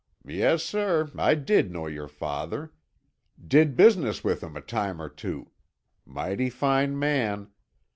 "Yes, sir, I did know your father. Did business with him a time or two. Mighty fine man.